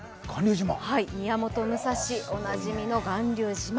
宮本武蔵、おなじみの巌流島。